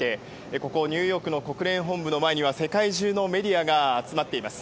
ここニューヨークの国連本部の前には世界中のメディアが集まっています。